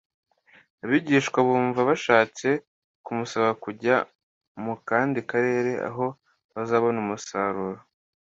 abigishwa bumva bashatse kumusaba kujya mu kandi karere aho bazabona umusaruro,